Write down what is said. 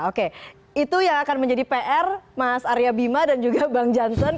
oke itu yang akan menjadi pr mas arya bima dan juga bang jansen